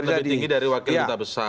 pejabat lebih tinggi dari wakil dut bes